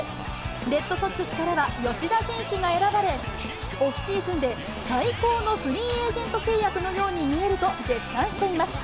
レッドソックスからは、吉田選手が選ばれ、オフシーズンで最高のフリーエージェント契約のように見えると絶賛しています。